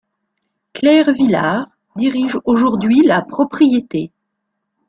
Claire Villars dirige aujourd’hui la propriété.